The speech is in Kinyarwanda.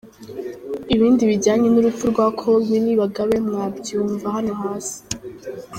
Ibindi bijyanye n’urupfu rwa Col Willy Bagabe mwabyumva hano hasi: